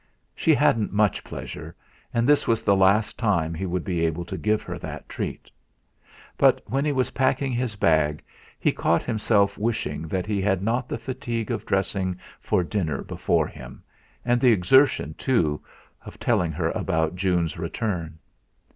She hadn't much pleasure, and this was the last time he would be able to give her that treat. But when he was packing his bag he caught himself wishing that he had not the fatigue of dressing for dinner before him, and the exertion, too, of telling her about June's return.